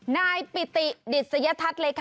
นายปิติดสยทัศน์เลยค่ะ